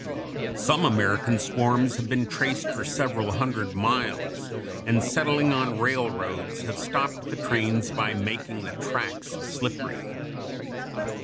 Some American swarms have been traced for several hundred miles, and settling on railroads, have stopped the trains by making the tracks slippery.